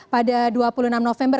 pada dua puluh enam november